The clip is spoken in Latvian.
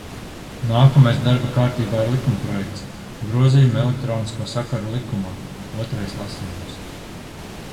"Nākamais darba kārtībā ir likumprojekts "Grozījumi Elektronisko sakaru likumā", otrais lasījums."